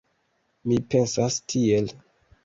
Mi pensas tiel.